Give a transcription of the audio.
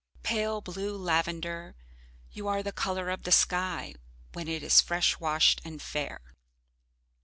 Pale blue lavender, you are the colour of the sky when it is fresh washed and fair...